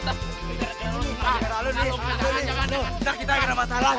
ntar aku langsung nambah